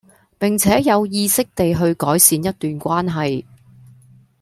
並且有意識地去改善一段關係